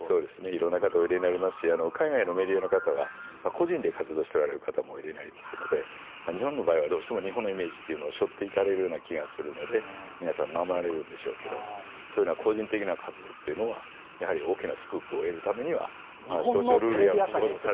色んな方がおいでになりますし海外のメディアの方は個人で活動しておられる方もおいでになりますので日本の場合はどうしても日本のイメージをしょっていかれるような気がするので皆さん、守られるんでしょうけどそういう個人的な活動というのはやはり大きなスクープを得るためには。